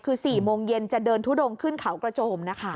คือ๔โมงเย็นจะเดินทุดงขึ้นเขากระโจมนะคะ